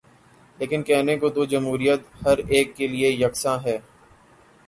لیکن کہنے کو تو جمہوریت ہر ایک کیلئے یکساں ہے۔